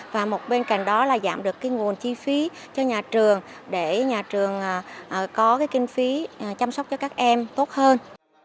và một bên cạnh đó là giảm được nguồn chi phí cho nhà trường để nhà trường có cái kinh phí chăm sóc cho các em tốt hơn